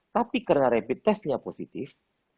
tapi karena rapid testnya positif